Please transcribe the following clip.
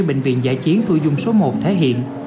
bệnh viện giã chiến thu dung số một thể hiện